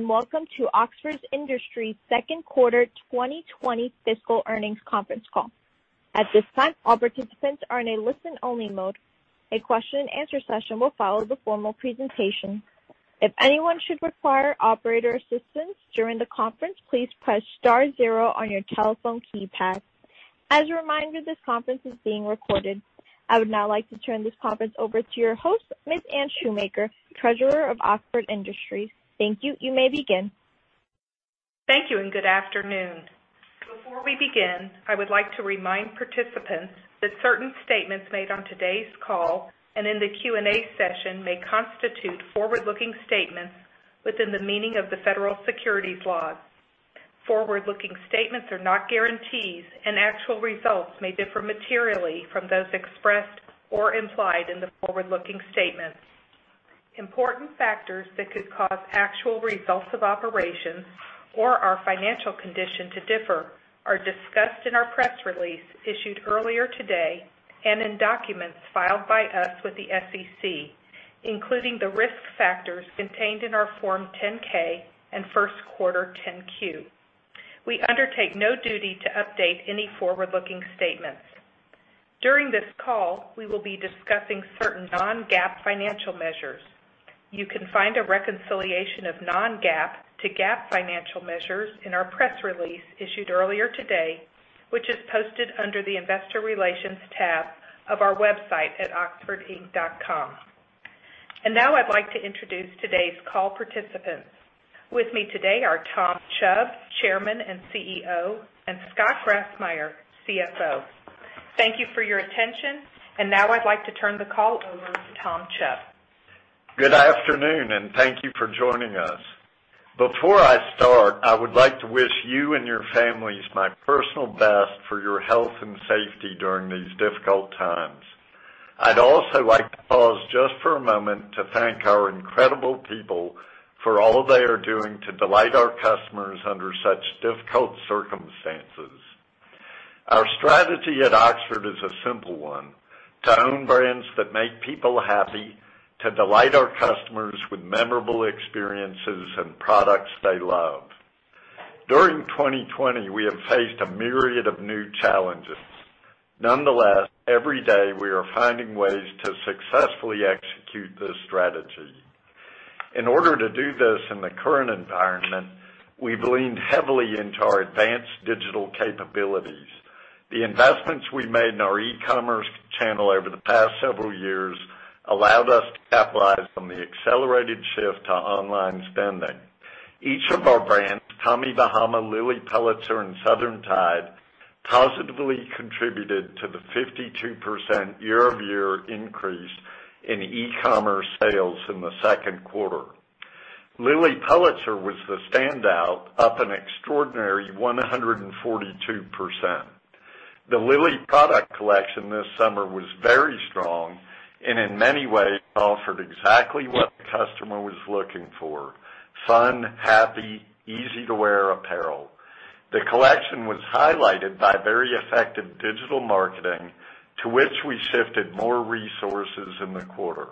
Welcome to Oxford Industries' Second Quarter 2020 Fiscal Earnings Conference Call. At this time, all participants are in a listen-only mode. A question and answer session will follow the formal presentation. If anyone should require operator assistance during the conference, please press star zero on your telephone keypad. As a reminder, this conference is being recorded. I would now like to turn this conference over to your host, Ms. Anne Shoemaker, Treasurer of Oxford Industries. Thank you. You may begin. Thank you and good afternoon. Before we begin, I would like to remind participants that certain statements made on today's call and in the Q&A session may constitute forward-looking statements within the meaning of the federal securities laws. Forward-looking statements are not guarantees, and actual results may differ materially from those expressed or implied in the forward-looking statements. Important factors that could cause actual results of operations or our financial condition to differ are discussed in our press release issued earlier today and in documents filed by us with the SEC, including the risk factors contained in our Form 10-K and first quarter 10-Q. We undertake no duty to update any forward-looking statements. During this call, we will be discussing certain non-GAAP financial measures. You can find a reconciliation of non-GAAP to GAAP financial measures in our press release issued earlier today, which is posted under the investor relations tab of our website at oxfordinc.com. Now I'd like to introduce today's call participants. With me today are Tom Chubb, Chairman and CEO, and Scott Grassmyer, CFO. Thank you for your attention. Now I'd like to turn the call over to Tom Chubb. Good afternoon and thank you for joining us. Before I start, I would like to wish you and your families my personal best for your health and safety during these difficult times. I'd also like to pause just for a moment to thank our incredible people for all they are doing to delight our customers under such difficult circumstances. Our strategy at Oxford is a simple one: to own brands that make people happy, to delight our customers with memorable experiences and products they love. During 2020, we have faced a myriad of new challenges. Nonetheless, every day, we are finding ways to successfully execute this strategy. In order to do this in the current environment, we've leaned heavily into our advanced digital capabilities. The investments we made in our e-commerce channel over the past several years allowed us to capitalize on the accelerated shift to online spending. Each of our brands, Tommy Bahama, Lilly Pulitzer, and Southern Tide, positively contributed to the 52% year-over-year increase in e-commerce sales in the second quarter. Lilly Pulitzer was the standout, up an extraordinary 142%. The Lilly product collection this summer was very strong and in many ways offered exactly what the customer was looking for: fun, happy, easy-to-wear apparel. The collection was highlighted by very effective digital marketing, to which we shifted more resources in the quarter.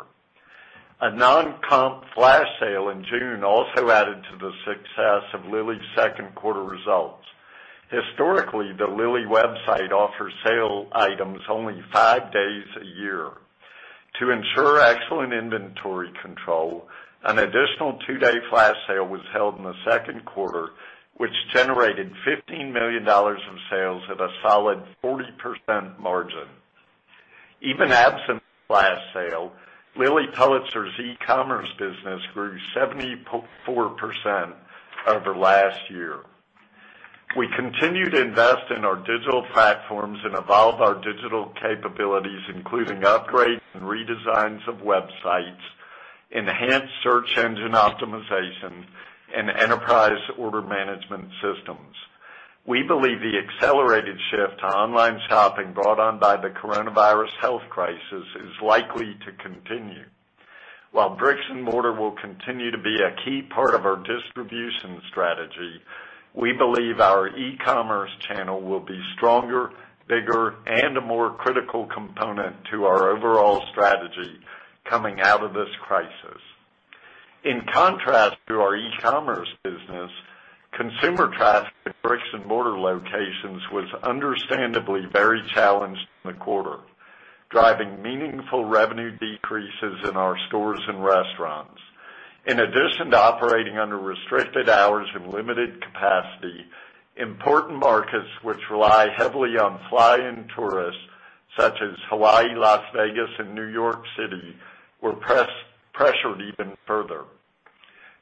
A non-comp flash sale in June also added to the success of Lilly's second quarter results. Historically, the Lilly website offers sale items only five days a year. To ensure excellent inventory control, an additional two-day flash sale was held in the second quarter, which generated $15 million of sales at a solid 40% margin. Even absent the flash sale, Lilly Pulitzer's e-commerce business grew 74% over last year. We continue to invest in our digital platforms and evolve our digital capabilities, including upgrades and redesigns of websites, enhanced search engine optimization, and enterprise order management systems. We believe the accelerated shift to online shopping brought on by the coronavirus health crisis is likely to continue. While bricks and mortar will continue to be a key part of our distribution strategy, we believe our e-commerce channel will be stronger, bigger, and a more critical component to our overall strategy coming out of this crisis. In contrast to our e-commerce business, consumer traffic at bricks and mortar locations was understandably very challenged in the quarter, driving meaningful revenue decreases in our stores and restaurants. In addition to operating under restricted hours and limited capacity, important markets which rely heavily on fly-in tourists such as Hawaii, Las Vegas, and New York City were pressured even further.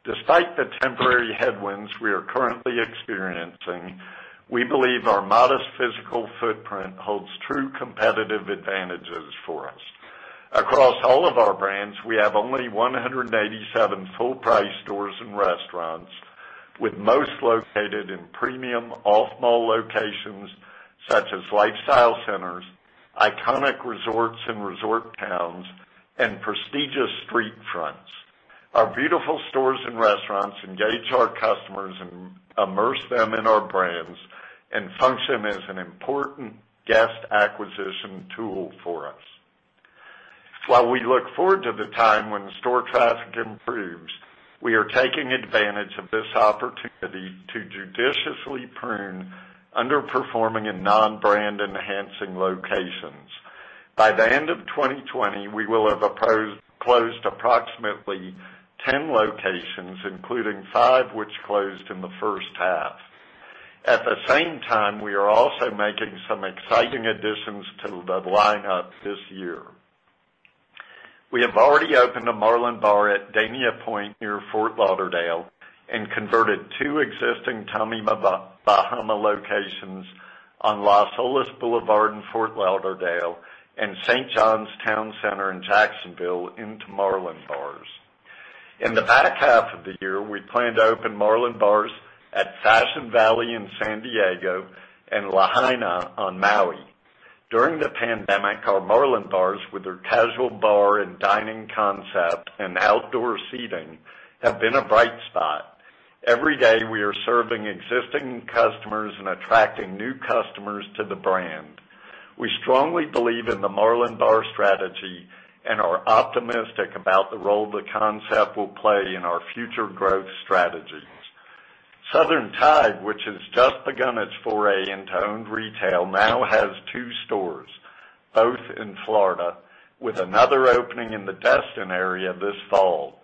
Despite the temporary headwinds we are currently experiencing, we believe our modest physical footprint holds true competitive advantages for us. Across all of our brands, we have only 187 full-price stores and restaurants, with most located in premium off-mall locations such as lifestyle centers, iconic resorts and resort towns, and prestigious street fronts. Our beautiful stores and restaurants engage our customers and immerse them in our brands and function as an important guest acquisition tool for us. While we look forward to the time when store traffic improves, we are taking advantage of this opportunity to judiciously prune underperforming and non-brand-enhancing locations. By the end of 2020, we will have closed approximately 10 locations, including five which closed in the first half. At the same time, we are also making some exciting additions to the lineup this year. We have already opened a Marlin Bar at Dania Pointe near Fort Lauderdale and converted two existing Tommy Bahama locations on Las Olas Boulevard in Fort Lauderdale and St. Johns Town Center in Jacksonville into Marlin Bars. In the back half of the year, we plan to open Marlin Bars at Fashion Valley in San Diego and Lahaina on Maui. During the pandemic, our Marlin Bars, with their casual bar and dining concept and outdoor seating, have been a bright spot. Every day, we are serving existing customers and attracting new customers to the brand. We strongly believe in the Marlin Bar strategy and are optimistic about the role the concept will play in our future growth strategies. Southern Tide, which has just begun its foray into owned retail, now has two stores, both in Florida, with another opening in the Destin area this fall.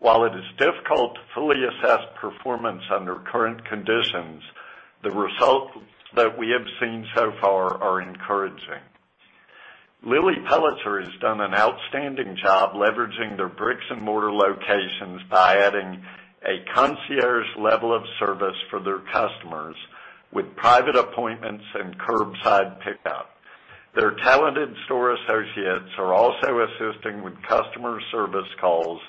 While it is difficult to fully assess performance under current conditions, the results that we have seen so far are encouraging. Lilly Pulitzer has done an outstanding job leveraging their bricks-and-mortar locations by adding a concierge level of service for their customers with private appointments and curbside pickup. Their talented store associates are also assisting with customer service calls,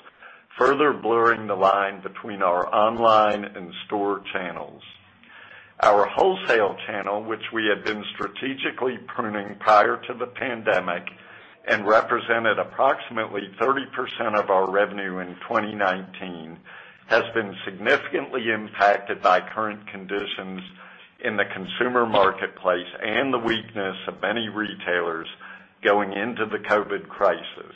further blurring the line between our online and store channels. Our wholesale channel, which we had been strategically pruning prior to the pandemic and represented approximately 30% of our revenue in 2019, has been significantly impacted by current conditions in the consumer marketplace and the weakness of many retailers going into the COVID crisis.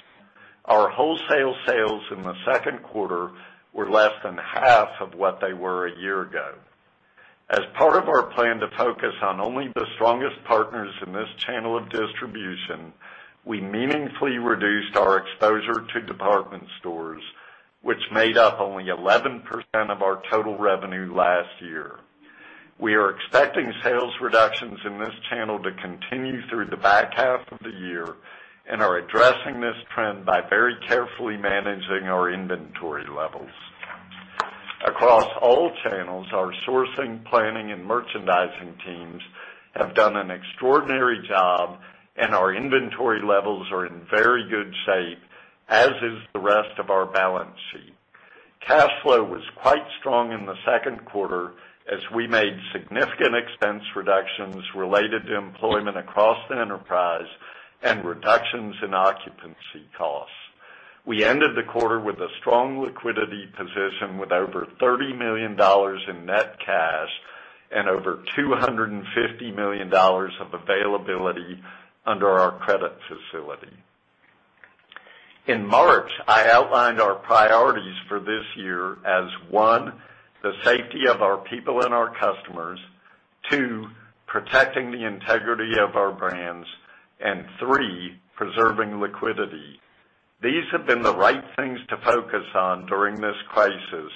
Our wholesale sales in the second quarter were less than half of what they were a year ago. As part of our plan to focus on only the strongest partners in this channel of distribution, we meaningfully reduced our exposure to department stores, which made up only 11% of our total revenue last year. We are expecting sales reductions in this channel to continue through the back half of the year and are addressing this trend by very carefully managing our inventory levels. Across all channels, our sourcing, planning, and merchandising teams have done an extraordinary job, and our inventory levels are in very good shape, as is the rest of our balance sheet. Cash flow was quite strong in the second quarter as we made significant expense reductions related to employment across the enterprise and reductions in occupancy costs. We ended the quarter with a strong liquidity position with over $30 million in net cash and over $250 million of availability under our credit facility. In March, I had outlined our priorities for this year as, one, the safety of our people and our customers, two, protecting the integrity of our brands, and three, preserving liquidity. These have been the right things to focus on during this crisis,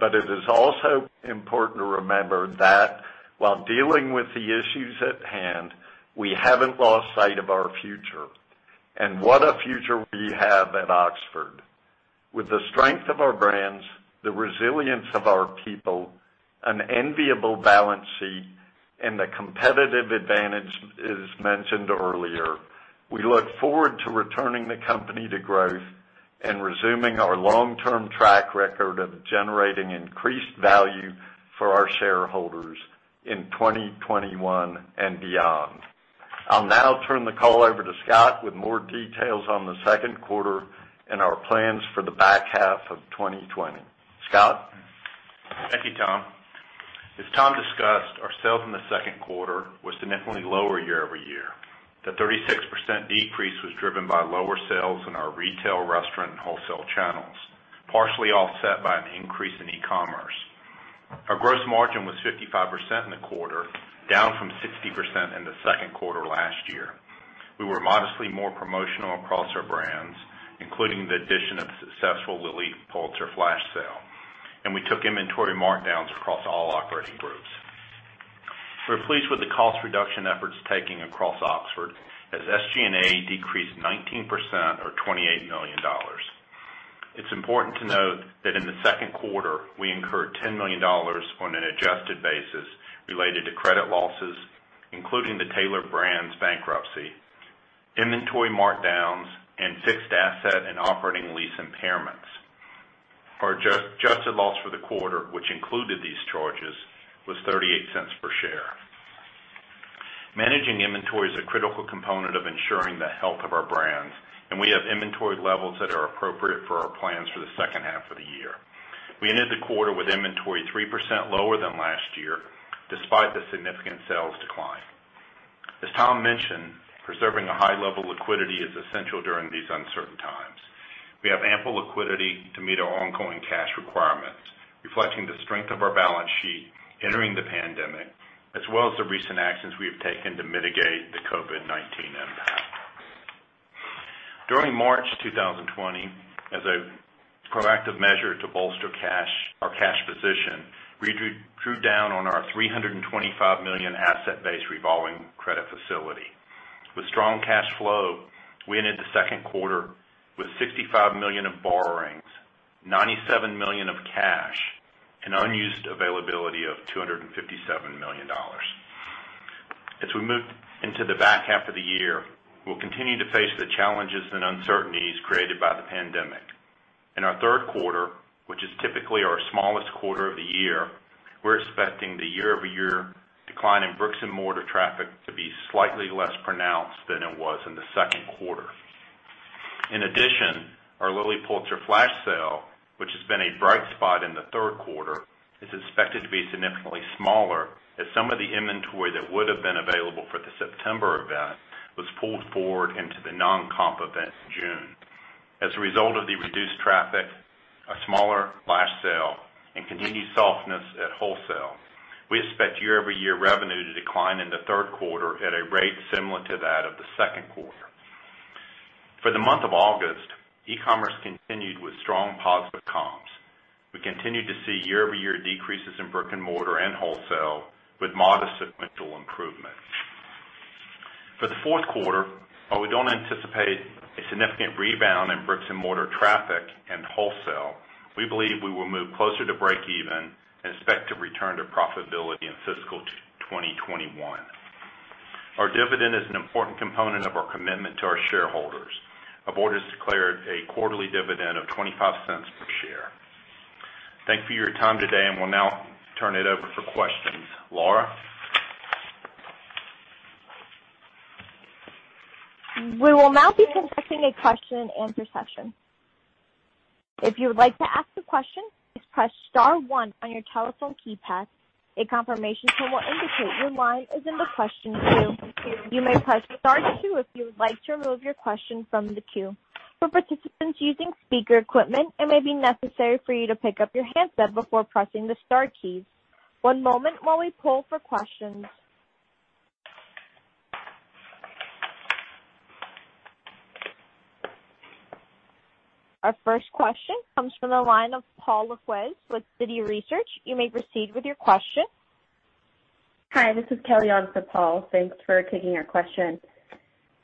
but it is also important to remember that while dealing with the issues at hand, we haven't lost sight of our future. What a future we have at Oxford. With the strength of our brands, the resilience of our people, an enviable balance sheet, and the competitive advantages mentioned earlier, we look forward to returning the company to growth and resuming our long-term track record of generating increased value for our shareholders in 2021 and beyond. I'll now turn the call over to Scott with more details on the second quarter and our plans for the back half of 2020. Scott? Thank you, Tom. As Tom discussed, our sales in the second quarter were significantly lower year-over-year. The 36% decrease was driven by lower sales in our retail, restaurant, and wholesale channels, partially offset by an increase in e-commerce. Our gross margin was 55% in the quarter, down from 60% in the second quarter last year. We were modestly more promotional across our brands, including the addition of the successful Lilly Pulitzer flash sale. We took inventory markdowns across all operating groups. We're pleased with the cost reduction efforts taken across Oxford, as SG&A decreased 19%, or $28 million. It's important to note that in the second quarter, we incurred $10 million on an adjusted basis related to credit losses, including the Tailored Brands bankruptcy, inventory markdowns, and fixed asset and operating lease impairments. Our adjusted loss for the quarter, which included these charges, was $0.38 per share. Managing inventory is a critical component of ensuring the health of our brands, we have inventory levels that are appropriate for our plans for the second half of the year. We ended the quarter with inventory 3% lower than last year, despite the significant sales decline. As Tom mentioned, preserving a high level of liquidity is essential during these uncertain times. We have ample liquidity to meet our ongoing cash requirements, reflecting the strength of our balance sheet entering the pandemic, as well as the recent actions we have taken to mitigate the COVID-19 impact. During March 2020, as a proactive measure to bolster cash, our cash position, we drew down on our $325 million asset-based revolving credit facility. With strong cash flow, we ended the second quarter with $65 million of borrowings, $97 million of cash, and unused availability of $257 million. As we move into the back half of the year, we'll continue to face the challenges and uncertainties created by the pandemic. In our third quarter, which is typically our smallest quarter of the year, we're expecting the year-over-year decline in bricks and mortar traffic to be slightly less pronounced than it was in the second quarter. In addition, our Lilly Pulitzer flash sale, which has been a bright spot in the third quarter, is expected to be significantly smaller as some of the inventory that would have been available for the September event was pulled forward into the non-comp event in June. As a result of the reduced traffic, a smaller flash sale, and continued softness at wholesale, we expect year-over-year revenue to decline in the third quarter at a rate similar to that of the second quarter. For the month of August, e-commerce continued with strong positive comps. We continued to see year-over-year decreases in brick and mortar and wholesale, with modest sequential improvement. For the fourth quarter, while we don't anticipate a significant rebound in bricks and mortar traffic and wholesale, we believe we will move closer to break even and expect to return to profitability in fiscal 2021. Our dividend is an important component of our commitment to our shareholders. Our board has declared a quarterly dividend of $0.25 per share. Thank you for your time today and we'll now turn it over for questions. Laura? We will now be conducting a question and answer session. If you would like to ask a question, please press star one on your telephone keypad. A confirmation tone will indicate your line is in the question queue. You may press star two if you would like to remove your question from the queue. For participants using speaker equipment, it may be necessary for you to pick up your handset before pressing the star keys. One moment while we poll for questions. Our first question comes from the line of Paul Lejuez with Citi Research. You may proceed with your question. Hi, this is Kelly on for Paul. Thanks for taking our question.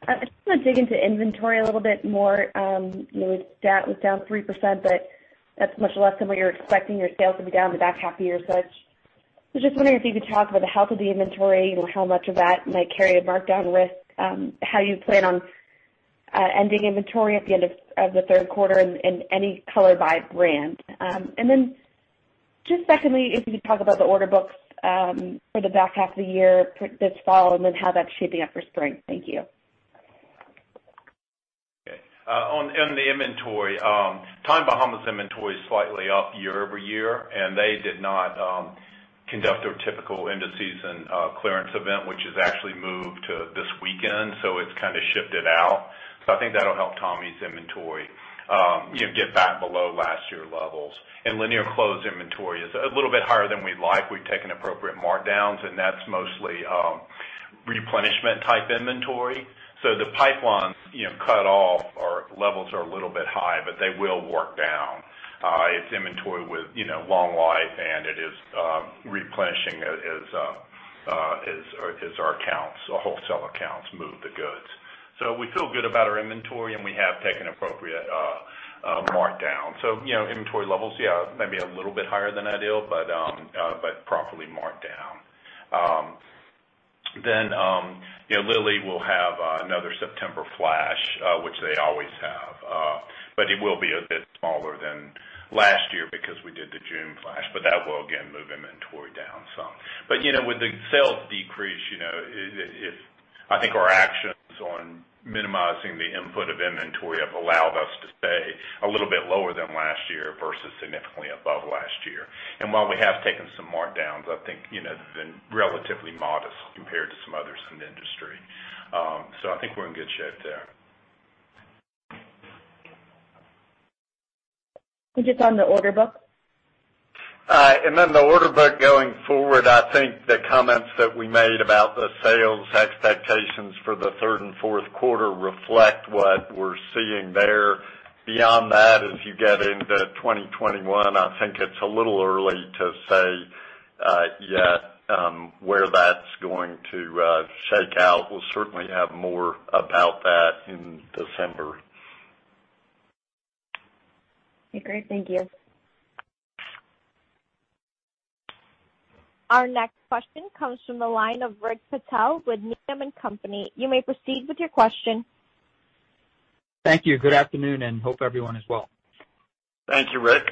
I just want to dig into inventory a little bit more, you know, it was down 3%, but that's much less than what you're expecting your sales to be down the back half of the year. I was just wondering if you could talk about the health of the inventory, you know, how much of that might carry a markdown risk, how you plan on ending inventory at the end of the third quarter, and any color by brand. Then just secondly, if you could talk about the order books for the back half of the year this fall and then how that's shaping up for spring. Thank you. Okay. On the inventory, Tommy Bahama's inventory is slightly up year-over-year, and they did not conduct their typical end of season clearance event, which has actually moved to this weekend. It's kind of shifted out. I think that'll help Tommy's inventory, you know, get back below last year's levels. Lanier Clothes inventory is a little bit higher than we'd like. We've taken appropriate markdowns. That's mostly replenishment type inventory. The pipelines cut off or levels are a little bit high. They will work down. It's inventory with long life. It is replenishing as our accounts, our wholesale accounts move the goods. We feel good about our inventory. We have taken appropriate markdowns. Inventory levels, yeah, may be a little bit higher than ideal, but properly marked down. Lilly will have another September flash, which they always have. It will be a bit smaller than last year because we did the June flash, but that will again move inventory down some. With the sales decrease, I think our actions on minimizing the input of inventory have allowed us to stay a little bit lower than last year versus significantly above last year. While we have taken some markdowns, I think they've been relatively modest compared to some others in the industry. I think we're in good shape there. Just on the order book? The order book going forward, I think the comments that we made about the sales expectations for the third and fourth quarter reflect what we're seeing there. Beyond that, as you get into 2021, I think it's a little early to say yet where that's going to shake out. We'll certainly have more about that in December. Okay, great. Thank you. Our next question comes from the line of Rick Patel with Needham & Company. You may proceed with your question. Thank you. Good afternoon and hope everyone is well. Thank you, Rick.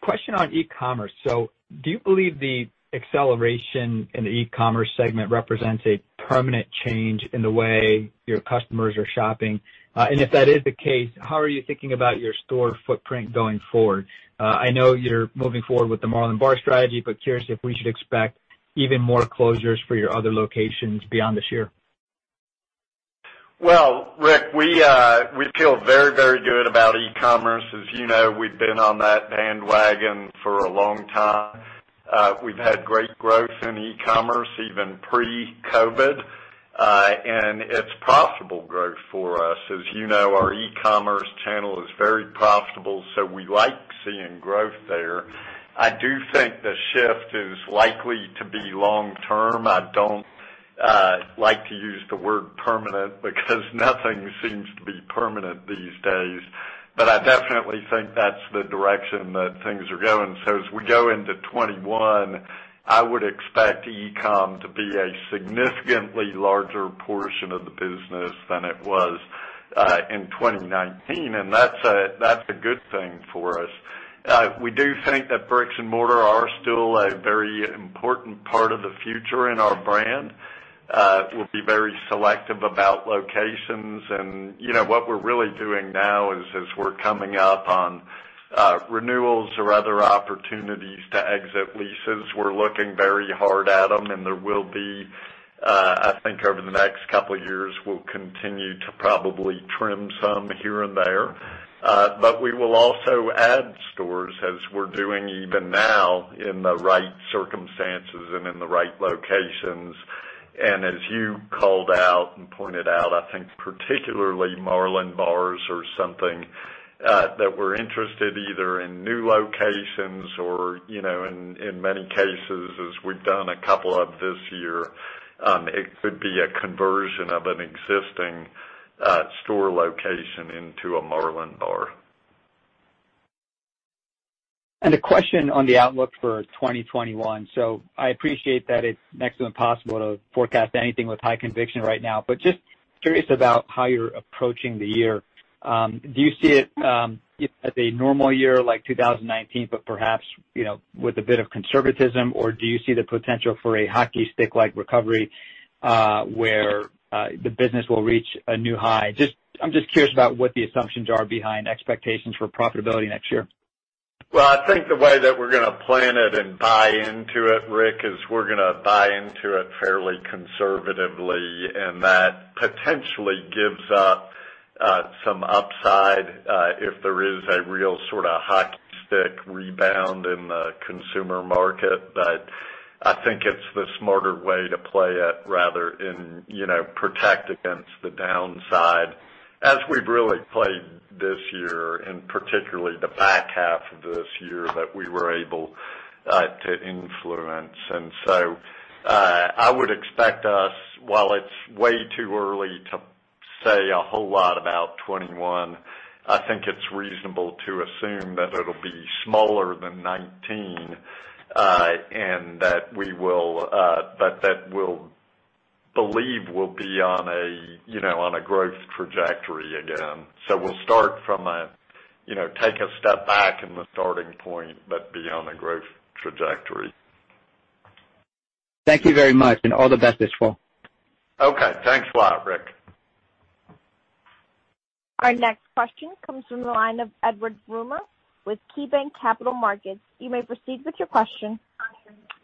Question on e-commerce. Do you believe the acceleration in the e-commerce segment represents a permanent change in the way your customers are shopping? If that is the case, how are you thinking about your store footprint going forward? I know you're moving forward with the Marlin Bar strategy, but curious if we should expect even more closures for your other locations beyond this year? Well, Rick, we feel very, very good about e-commerce. As you know, we've been on that bandwagon for a long time. We've had great growth in e-commerce, even pre-COVID-19, and it's profitable growth for us. As you know, our e-commerce channel is very profitable, so we like seeing growth there. I do think the shift is likely to be long-term. I don't like to use the word permanent because nothing seems to be permanent these days. I definitely think that's the direction that things are going. As we go into 2021, I would expect e-com to be a significantly larger portion of the business than it was in 2019, and that's a good thing for us. We do think that bricks and mortar are still a very important part of the future in our brand. We'll be very selective about locations. What we're really doing now is as we're coming up on renewals or other opportunities to exit leases. We're looking very hard at them, and there will be, I think over the next couple of years, we'll continue to probably trim some here and there. We will also add stores as we're doing even now in the right circumstances and in the right locations. As you called out and pointed out, I think particularly, Marlin Bars are something that we're interested either in new locations or, in many cases, as we've done a couple of this year, it could be a conversion of an existing store location into a Marlin Bar. A question on the outlook for 2021, so I appreciate that it's next to impossible to forecast anything with high conviction right now, but just curious about how you're approaching the year. Do you see it as a normal year, like 2019, but perhaps with a bit of conservatism, or do you see the potential for a hockey stick-like recovery, where the business will reach a new high? I'm just curious about what the assumptions are behind expectations for profitability next year. I think the way that we're going to plan it and buy into it, Rick, is we're going to buy into it fairly conservatively, and that potentially gives us some upside if there is a real sort of hockey stick rebound in the consumer market. I think it's the smarter way to play it rather, protect against the downside as we've really played this year, and particularly the back half of this year that we were able to influence. I would expect us, while it's way too early to say a whole lot about 2021, I think it's reasonable to assume that it'll be smaller than 2019, and that we'll believe we'll be on a growth trajectory again. We'll start from a, you know, take a step back in the starting point, but be on a growth trajectory. Thank you very much, and all the best this fall. Okay. Thanks a lot, Rick. Our next question comes from the line of Edward Yruma with KeyBanc Capital Markets. You may proceed with your question.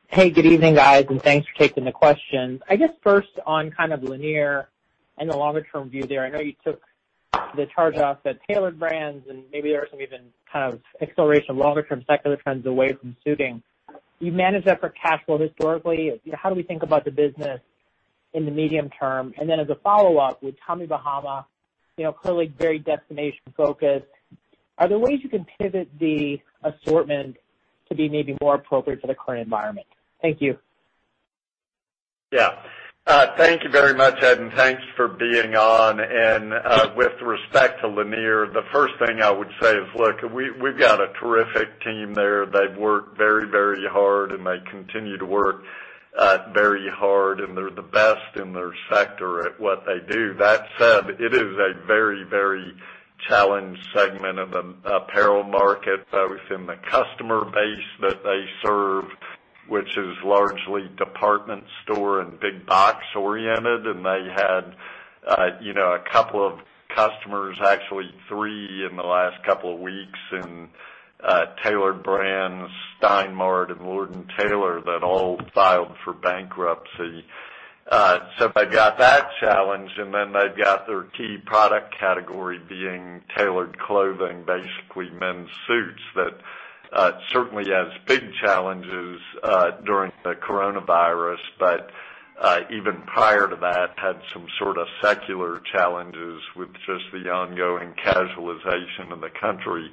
Hey, good evening, guys. Thanks for taking the question. I guess first on kind of Lanier and the longer-term view there. I know you took the charge-off at Tailored Brands, and maybe there are some even kind of acceleration of longer-term secular trends away from suiting. You've managed that for cash flow historically. How do we think about the business in the medium term? As a follow-up, with Tommy Bahama, clearly very destination-focused, are there ways you can pivot the assortment to be maybe more appropriate for the current environment? Thank you. Yeah. Thank you very much, Ed. Thanks for being on. With respect to Lanier, the first thing I would say is, look, we've got a terrific team there. They've worked very, very hard, and they continue to work very hard, and they're the best in their sector at what they do. With that said, it is a very, very challenged segment of the apparel market, both in the customer base that they serve, which is largely department store and big box oriented. They had, you know, a couple of customers, actually three in the last couple of weeks, in Tailored Brands, Stein Mart, and Lord & Taylor, that all filed for bankruptcy. They've got that challenge, and then they've got their key product category being tailored clothing, basically men's suits that certainly has big challenges during the coronavirus. Even prior to that, had some sort of secular challenges with just the ongoing casualization of the country.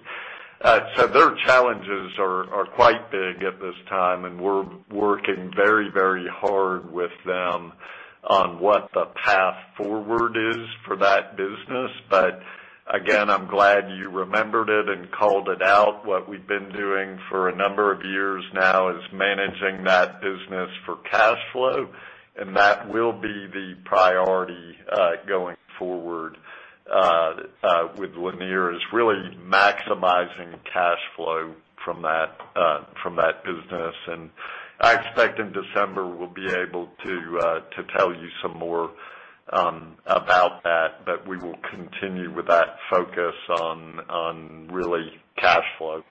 Their challenges are quite big at this time, and we're working very, very hard with them on what the path forward is for that business. Again, I'm glad you remembered it and called it out. What we've been doing for a number of years now is managing that business for cash flow, and that will be the priority, going forward with Lanier, is really maximizing cash flow from that business. I expect in December we'll be able to tell you some more about that, but we will continue with that focus on really cash flow.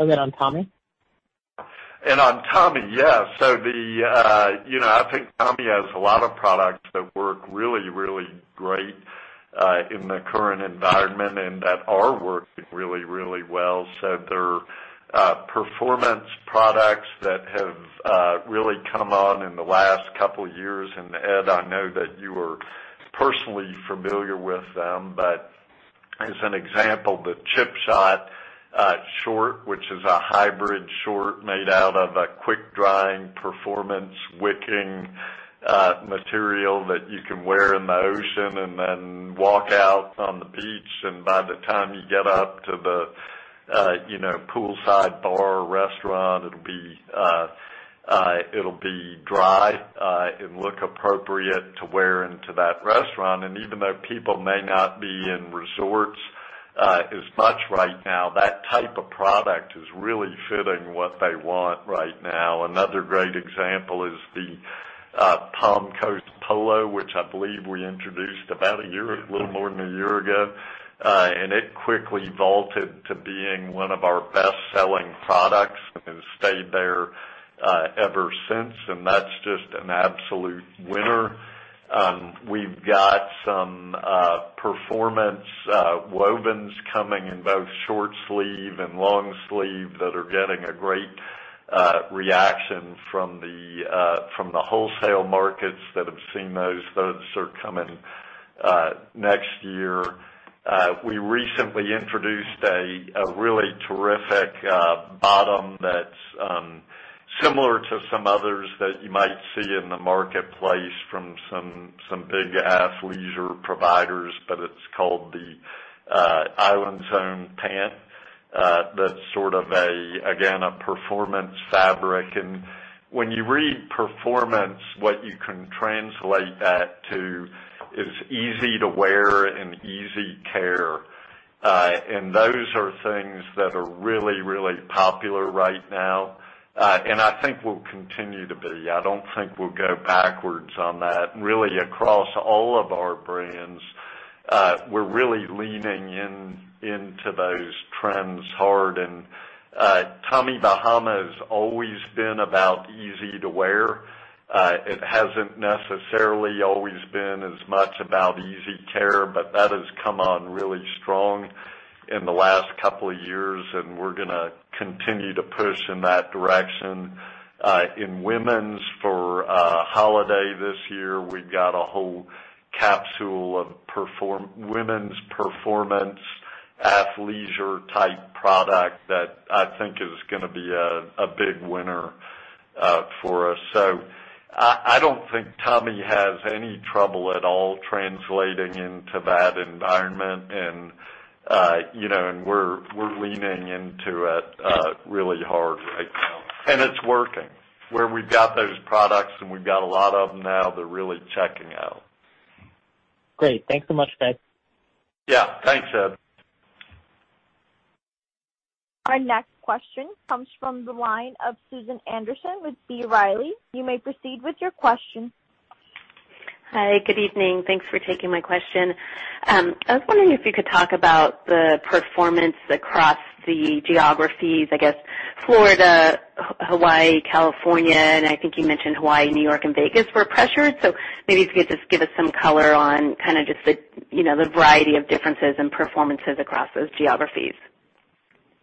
Then on Tommy? On Tommy, yeah. I think Tommy has a lot of products that work really great in the current environment and that are working really well. They're performance products that have really come on in the last couple of years. Ed, I know that you are personally familiar with them. As an example, the Chip Shot Short, which is a hybrid short made out of a quick-drying performance wicking material that you can wear in the ocean and then walk out on the beach, and by the time you get up to the poolside bar or restaurant, it'll be dry and look appropriate to wear into that restaurant. Even though people may not be in resorts as much right now, that type of product is really fitting to what they want right now. Another great example is the Palm Coast Polo, which I believe we introduced about a year, a little more than a year ago. It quickly vaulted to being one of our best-selling products and has stayed there ever since, and that's just an absolute winner. We've got some performance wovens coming in both short sleeve and long sleeve that are getting a great reaction from the wholesale markets that have seen those. Those are coming next year. We recently introduced a really terrific bottom that's similar to some others that you might see in the marketplace from some big athleisure providers, but it's called the IslandZone Pant. That's sort of, again, a performance fabric. When you read performance, what you can translate that to is easy to wear and easy care. Those are things that are really, really popular right now, and I think will continue to be. I don't think we'll go backwards on that. Really across all of our brands, we're really leaning into those trends hard. Tommy Bahama has always been about easy to wear. It hasn't necessarily always been as much about easy care, but that has come on really strong in the last couple of years, and we're going to continue to push in that direction. In women's for holiday this year, we've got a whole capsule of women's performance, athleisure-type product that I think is going to be a big winner for us. I don't think Tommy has any trouble at all translating into that environment. We're leaning into it really hard right now and it's working. Where we've got those products, and we've got a lot of them now, they're really checking out. Great. Thanks so much, guys. Yeah. Thanks, Ed. Our next question comes from the line of Susan Anderson with B. Riley. You may proceed with your question. Hi. Good evening. Thanks for taking my question. I was wondering if you could talk about the performance across the geographies, I guess Florida, Hawaii, California, and I think you mentioned Hawaii, New York, and Vegas were pressured, so maybe if you could just give us some color on kind of just the variety of differences in performances across those geographies.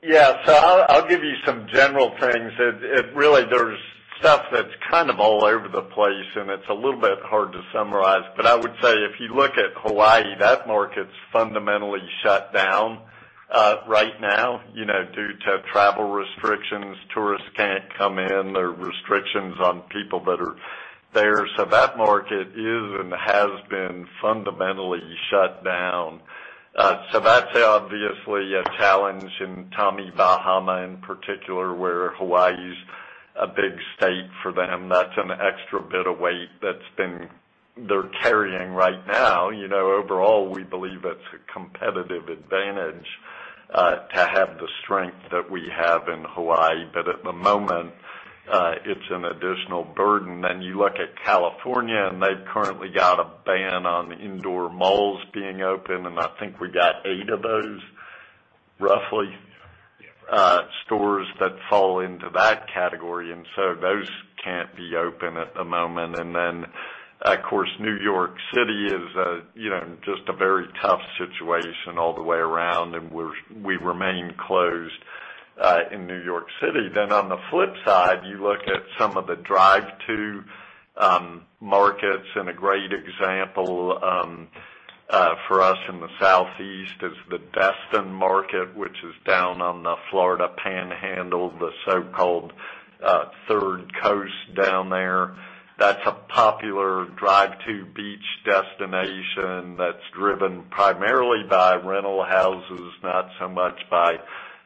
Yeah. I'll give you some general things, and really, there's stuff that's kind of all over the place, and it's a little bit hard to summarize. I would say if you look at Hawaii, that market's fundamentally shut down right now due to travel restrictions. Tourists can't come in. There are restrictions on people that are there. That market is and has been fundamentally shut down. That's obviously a challenge in Tommy Bahama in particular, where Hawaii's a big state for them. That's an extra bit of weight that they're carrying right now. Overall, we believe it's a competitive advantage to have the strength that we have in Hawaii. At the moment, it's an additional burden. You look at California, and they've currently got a ban on indoor malls being open, and I think we've got eight of those, roughly, stores that fall into that category. Those can't be open at the moment, and then, of course, New York City is just a very tough situation all the way around, and we remain closed in New York City. On the flip side, you look at some of the drive-to markets, and a great example for us in the Southeast is the Destin market, which is down on the Florida Panhandle, the so-called Third Coast down there. That's a popular drive-to beach destination that's driven primarily by rental houses, not so much by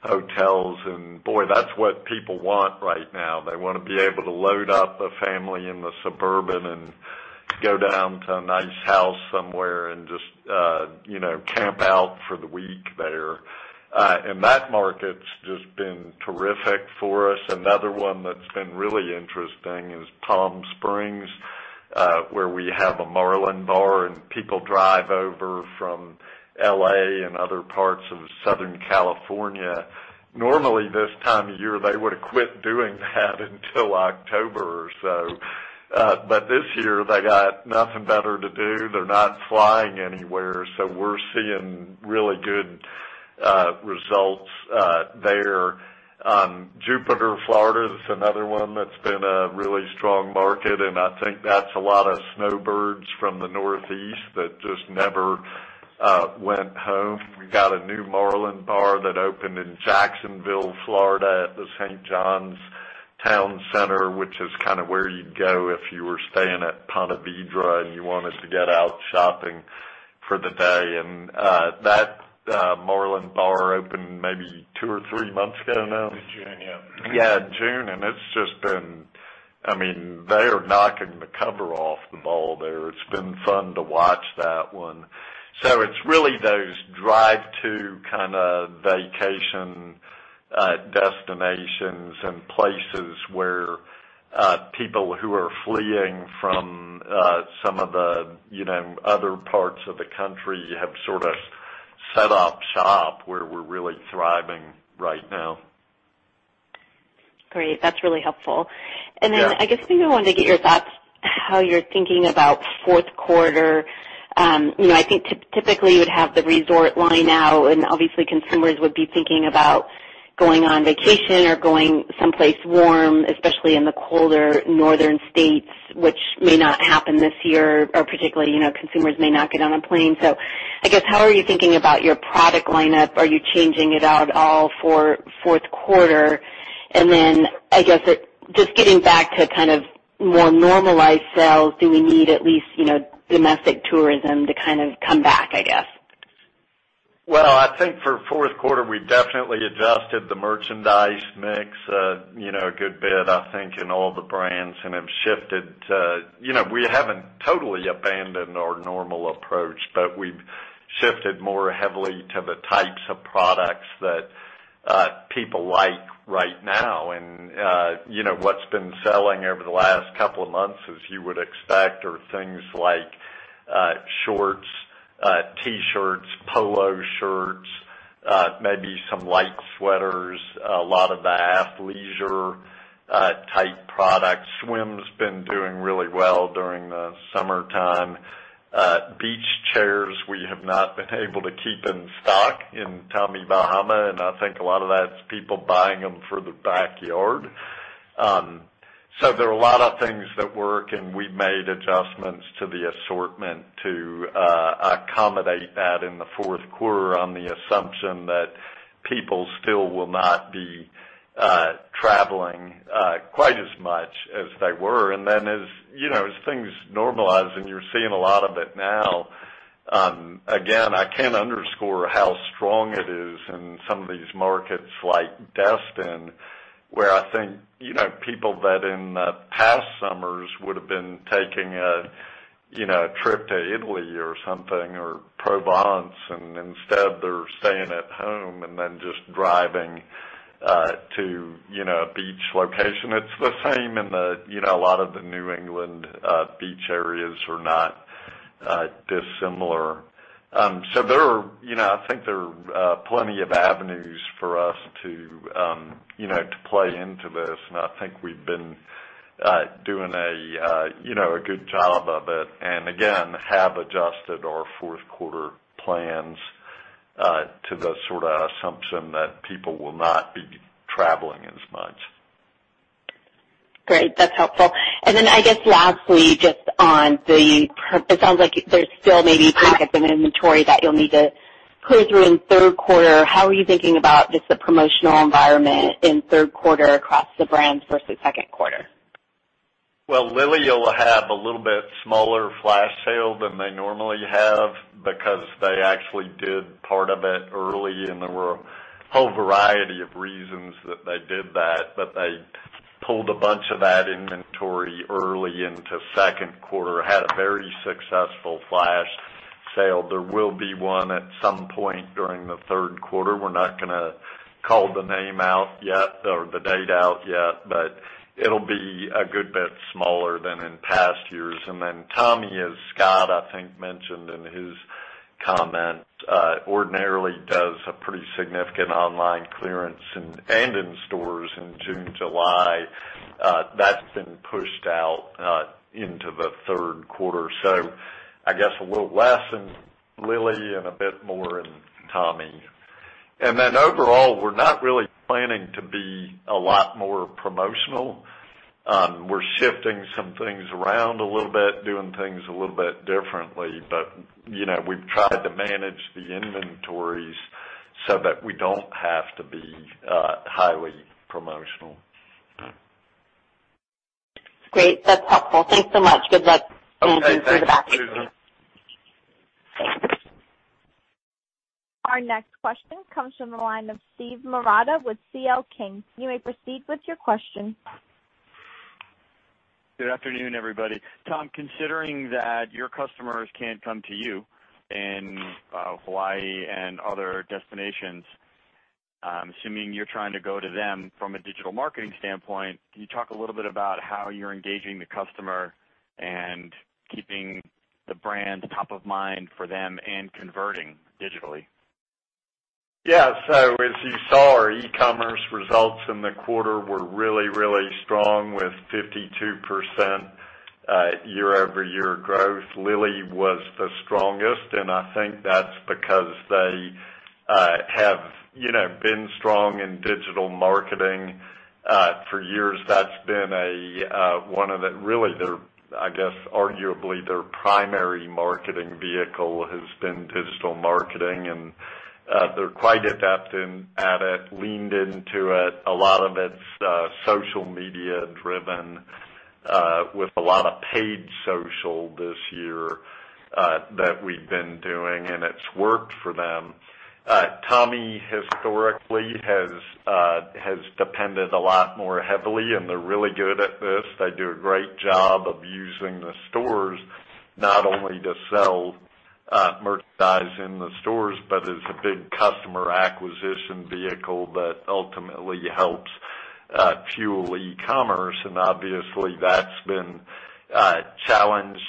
hotels, and boy, that's what people want right now. They want to be able to load up a family in the Suburban and go down to a nice house somewhere and just camp out for the week there. That market's just been terrific for us. Another one that's been really interesting is Palm Springs, where we have a Marlin Bar. People drive over from L.A. and other parts of Southern California, and normally, this time of year, they would quit doing that until October or so. This year, they got nothing better to do. They're not flying anywhere. We're seeing really good results there. Jupiter, Florida, that's another one that's been a really strong market, and I think that's a lot of snowbirds from the Northeast that just never went home. We got a new Marlin Bar that opened in Jacksonville, Florida, at the St. Johns Town Center, which is where you'd go if you were staying at Ponte Vedra, and you wanted to get out shopping for the day, and that Marlin Bar opened maybe two or three months ago now. This June, yeah. Yeah, June. They're knocking the cover off the ball there. It's been fun to watch that one. It's really those drive-to kind of vacation destinations and places where people who are fleeing from some of the, you know, other parts of the country have sort of set up shop, where we're really thriving right now. Great, that's really helpful. Then, I guess maybe I wanted to get your thoughts how you're thinking about fourth quarter, and I think typically you would have the resort line now, and obviously consumers would be thinking about going on vacation or going someplace warm, especially in the colder northern states, which may not happen this year, or particularly, consumers may not get on a plane. So I guess, how are you thinking about your product lineup? Are you changing it out all for fourth quarter? Then, I guess, just getting back to more normalized sales, do we need at least domestic tourism to kind of come back, I guess? Well, I think for fourth quarter, we definitely adjusted the merchandise mix, you know, a good bit, I think, in all the brands and we haven't totally abandoned our normal approach, but we've shifted more heavily to the types of products that people like right now. What's been selling over the last couple of months, as you would expect, are things like shorts, T-shirts, polo shirts, maybe some light sweaters, a lot of the athleisure-type products. Swim has been doing really well during the summertime. Beach chairs, we have not been able to keep in stock in Tommy Bahama, and I think a lot of that's people buying them for the backyard. There are a lot of things that work, and we've made adjustments to the assortment to accommodate that in the fourth quarter on the assumption that people still will not be traveling quite as much as they were. As things normalize, and you're seeing a lot of it now, again, I can't underscore of how strong it is in some of these markets like Destin, where I think, you know, people that in past summers would've been taking a trip to Italy or something, or Provence, and instead they're staying at home and then just driving to a beach location. It's the same in a lot of the New England beach areas are not dissimilar. I think there are plenty of avenues for us to, you know, to play into this, and I think we've been doing a good job of it, and again, have adjusted our fourth quarter plans to the sort of assumption that people will not be traveling as much. Great, that's helpful. I guess lastly, it sounds like there's still maybe pockets of inventory that you'll need to pull through in third quarter. How are you thinking about just the promotional environment in third quarter across the brands versus second quarter? Well, Lilly will have a little bit smaller flash sale than they normally have because they actually did part of it early, and there were a whole variety of reasons that they did that. They pulled a bunch of that inventory early into second quarter, had a very successful flash sale. There will be one at some point during the third quarter. We're not going to call the name out yet or the date out yet, but it'll be a good bit smaller than in past years. Tommy, as Scott, I think, mentioned in his comments, ordinarily does a pretty significant online clearance and in stores in June, July. That's been pushed out into the third quarter. I guess a little less in Lilly and a bit more in Tommy. Overall, we're not really planning to be a lot more promotional. We're shifting some things around a little bit, doing things a little bit differently but, you know, we've tried to manage the inventories so that we don't have to be highly promotional. Great, that's helpful. Thanks so much. Good luck. Okay, thanks, Susan. Moving through the back half. Our next question comes from the line of Steve Marotta with C.L. King. You may proceed with your question. Good afternoon, everybody. Tom, considering that your customers can't come to you in Hawaii and other destinations, I'm assuming you're trying to go to them from a digital marketing standpoint. Can you talk a little bit about how you're engaging the customer and keeping the brand top of mind for them and converting digitally? Yeah. As you saw, our e-commerce results in the quarter were really, really strong with 52% year-over-year growth. Lilly was the strongest and I think that's because they have, you know, been strong in digital marketing for years. That's been, really, I guess, arguably their primary marketing vehicle has been digital marketing, and they're quite adept at it, leaned into it. A lot of it's social media driven with a lot of paid social this year that we've been doing, and it's worked for them. Tommy historically has depended a lot more heavily, and they're really good at this. They do a great job of using the stores not only to sell merchandise in the stores, but as a big customer acquisition vehicle that ultimately helps fuel e-commerce. Obviously, that's been challenged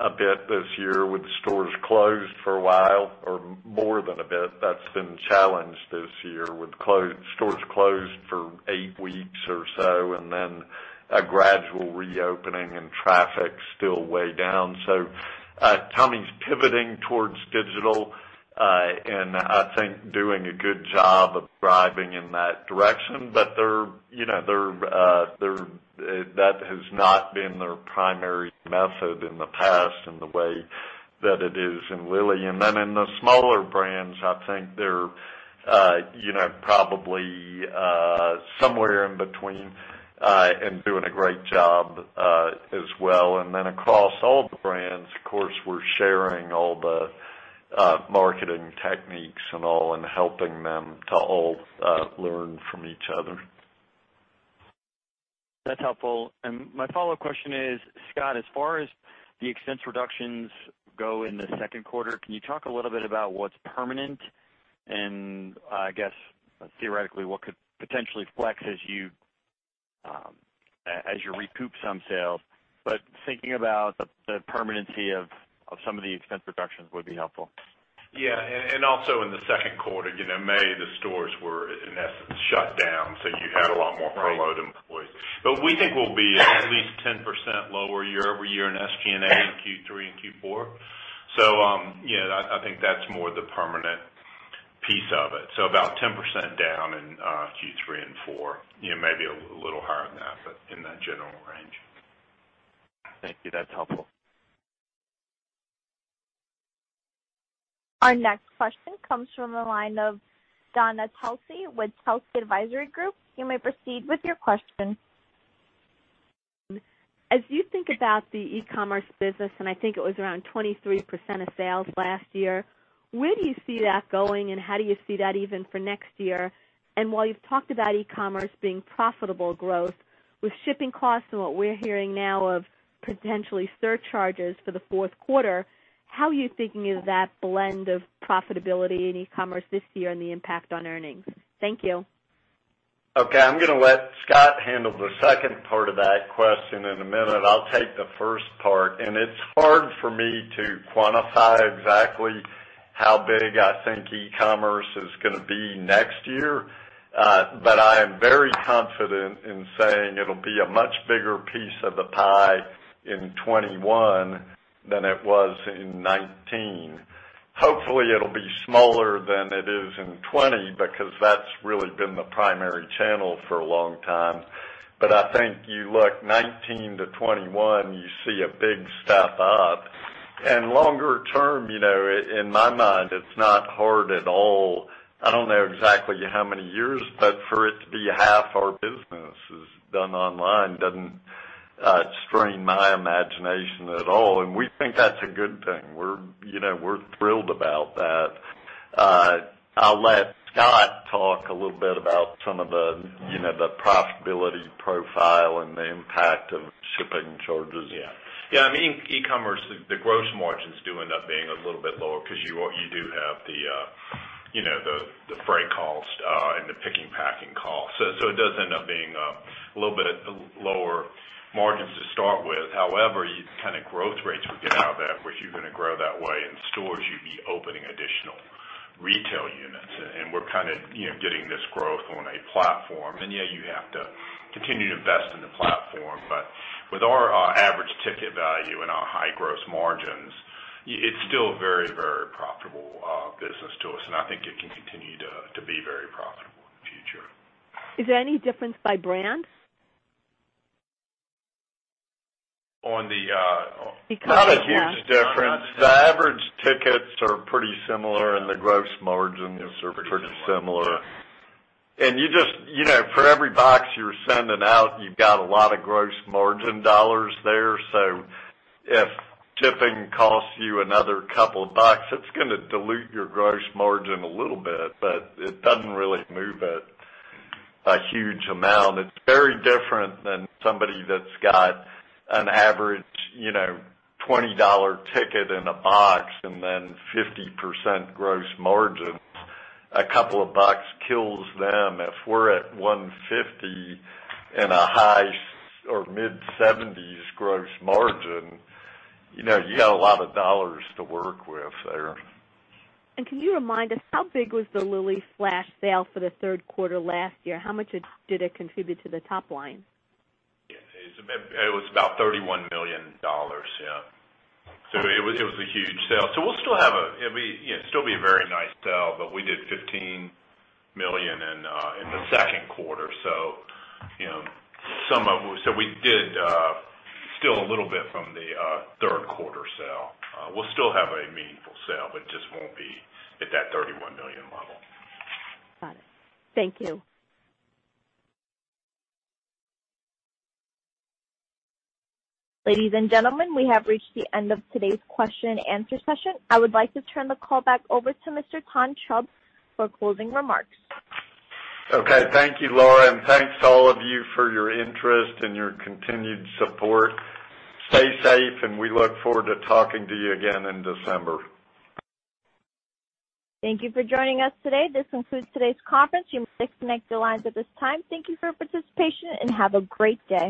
a bit this year with stores closed for a while, or more than a bit. That's been challenged this year with stores closed for eight weeks or so, and then a gradual reopening and traffic still way down. Tommy's pivoting towards digital, and I think doing a good job of thriving in that direction. That has not been their primary method in the past in the way that it is in Lilly. In the smaller brands, I think they're, you know, probably somewhere in between and doing a great job as well. Across all the brands, of course, we're sharing all the marketing techniques and all, and helping them to all learn from each other. That's helpful, and my follow-up question is, Scott, as far as the expense reductions go in the second quarter, can you talk a little bit about what's permanent? I guess theoretically, what could potentially flex as you recoup some sales, but thinking about the permanency of some of the expense reductions would be helpful. Yeah, and also in the second quarter, May, the stores were, in essence, shut down, so you had a lot more furloughed employees. We think we'll be at least 10% lower year-over-year in SG&A in Q3 and Q4. I think that's more the permanent piece of it, so about 10% down in Q3 and Q4, you know, maybe a little higher than that, but in that general range. Thank you. That's helpful. Our next question comes from the line of Dana Telsey with Telsey Advisory Group. You may proceed with your question. As you think about the e-commerce business, and I think it was around 23% of sales last year, where do you see that going, and how do you see that even for next year? While you've talked about e-commerce being profitable growth, with shipping costs and what we're hearing now of potentially surcharges for the fourth quarter, how are you thinking of that blend of profitability in e-commerce this year and the impact on earnings? Thank you. Okay. I'm going to let Scott handle the second part of that question in a minute. I'll take the first part. It's hard for me to quantify exactly how big I think e-commerce is going to be next year. I am very confident in saying it'll be a much bigger piece of the pie in 2021 than it was in 2019. Hopefully, it'll be smaller than it is in 2020 because that's really been the primary channel for a long time. I think you look 2019 to 2021, you see a big step up, and longer term, in my mind, it's not hard at all. I don't know exactly how many years, but for it to be half our business is done online doesn't strain my imagination at all. We think that's a good thing. We're thrilled about that. I'll let Scott talk a little bit about some of the profitability profile and the impact of shipping charges. Yeah. In e-commerce, the gross margins do end up being a little bit lower because you do have the freight cost and the picking, packing cost. It does end up being a little bit lower margins to start with. However, the kind of growth rates we get out of that, which you're going to grow that way in stores, you'd be opening additional retail units. We're getting this growth on a platform. Yeah, you have to continue to invest in the platform, but with our average ticket value and our high gross margins, it's still a very, very profitable business to us, and I think it can continue to be very profitable in the future. Is there any difference by brand? On the? e-commerce, yeah. Not a huge difference. The average tickets are pretty similar and the gross margins are pretty similar and, you know, for every box you're sending out, you've got a lot of gross margin dollars there. If shipping costs you another couple of bucks, it's going to dilute your gross margin a little bit, but it doesn't really move it a huge amount. It's very different than somebody that's got an average, you know, $20 ticket in a box and then 50% gross margin, a couple of bucks kills them. If we're at $150 in a high or mid-70s gross margin, you know, you got a lot of dollars to work with there. Can you remind us how big was the Lilly flash sale for the third quarter last year? How much did it contribute to the top line? Yeah. It was about $31 million, yeah, so it was a huge sale. It'd still be a very nice sale, but we did $15 million in the second quarter. We did still a little bit from the third quarter sale. We'll still have a meaningful sale, but just won't be at that $31 million level. Got it. Thank you. Ladies and gentlemen, we have reached the end of today's question and answer session. I would like to turn the call back over to Mr. Tom Chubb for closing remarks. Okay. Thank you, Laura, and thanks to all of you for your interest and your continued support. Stay safe and we look forward to talking to you again in December. Thank you for joining us today. This concludes today's conference. You may disconnect your lines at this time. Thank you for your participation and have a great day.